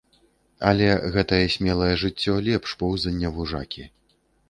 Але гэтае смелае жыццё лепш поўзання вужакі.